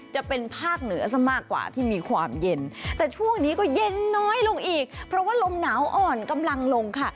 จะเป็นภาคเหนือซะมากกว่าที่มีความเย็นแต่ช่วงนี้ก็เย็นน้อยลงอีกเพราะว่าลมหนาวอ่อนกำลังลงค่ะ